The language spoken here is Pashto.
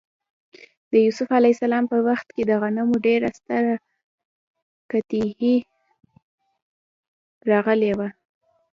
د یوسف ع په وخت کې د غنمو ډېره ستره قحطي راغلې وه.